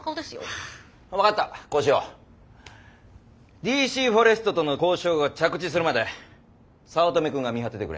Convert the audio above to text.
ＤＣフォレストとの交渉が着地するまで早乙女くんが見張っててくれ。